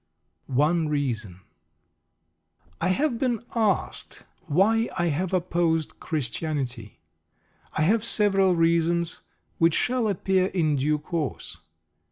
ONE REASON I have been asked why I have opposed Christianity. I have several reasons, which shall appear in due course.